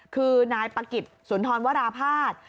คือนายปะกิจสุนทรวราภาษณ์